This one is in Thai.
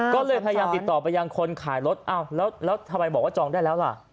ก็เลยพยายามติดต่อไปยังคนขายรถอ้าวแล้วทำไมบอกว่าจองได้แล้วล่ะ